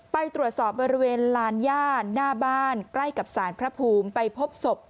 ไปตรวจสอบบริเวณลานย่าหน้าบ้านใกล้กับสารพระภูมิไปพบศพ